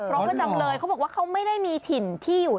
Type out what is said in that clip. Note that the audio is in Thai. ประจำเลยเขาบอกว่าเขาไม่ได้มีถิ่นที่อยู่